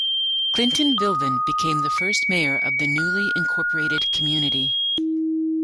Clinton Vilven became the first mayor of the newly incorporated community.